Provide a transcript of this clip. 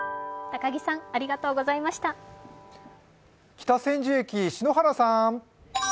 北千住駅、篠原さん。